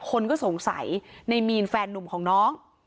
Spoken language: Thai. คนก็สงสัยในมีนแฟนนุ่มของน้อง